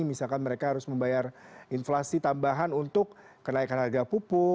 misalkan mereka harus membayar inflasi tambahan untuk kenaikan harga pupuk